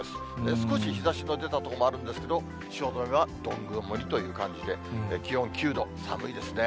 少し日ざしの出た所もあるんですけど、汐留はどん曇りという感じで、気温９度、寒いですね。